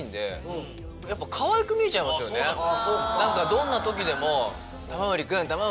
どんな時でも。